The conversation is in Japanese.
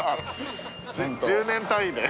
１０年単位で。